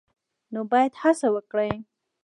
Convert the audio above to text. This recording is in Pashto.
نو باید هڅه وکړي